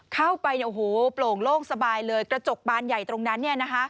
เข้าไปโปร่งโล่งสบายเลยกระจกบานใหญ่ตรงนั้น